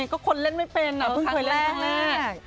ก็คนเล่นไม่เป็นอ่ะเพิ่งเคยเล่นครั้งแรก